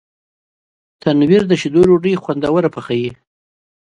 تنور د شیدو ډوډۍ خوندور پخوي